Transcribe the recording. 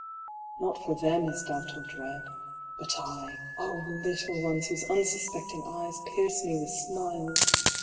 Not for them is doubt or dread; but I — Oh little ones whose unsuspecting eyes pierce me with smiles